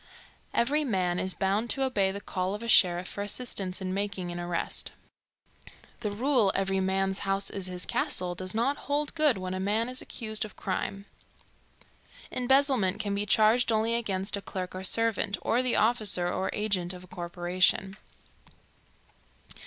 Every man is bound to obey the call of a sheriff for assistance in making an arrest. The rule "Every man's house is his castle" does not hold good when a man is accused of crime. Embezzlement can be charged only against a clerk or servant, or the officer or agent of a corporation.